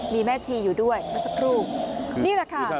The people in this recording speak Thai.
มีแม่ชีอยู่ด้วยเมื่อสักครู่นี่แหละค่ะ